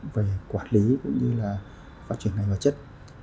về quản lý cũng như là phát triển ngành hóa chất